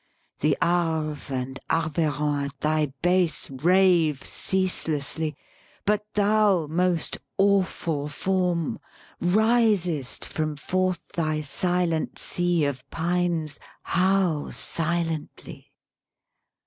The Arve and Arveiron at thy base Rave ceaselessly; but thou, most awful Form! Risest from forth thy silent sea of pines, How silently!